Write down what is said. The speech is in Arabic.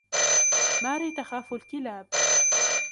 ماري تخاف الكلاب.